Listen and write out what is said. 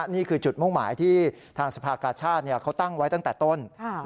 นี่คือจุดมุ่งหมายที่ทางสภากาชาติเขาตั้งไว้ตั้งแต่ต้น